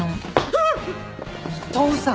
伊藤さん